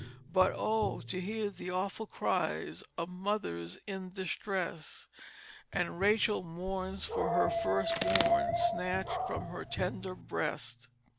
But O! to hear the awful cries Of Mothers in Distress, And Rachel mourns for her first born Snatch'd from her tender Breast."